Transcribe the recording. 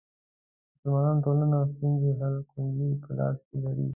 د مسلمانو ټولنو ستونزو حل کونجي په لاس کې لري.